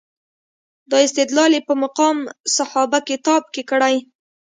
دا استدلال یې په مقام صحابه کتاب کې کړی.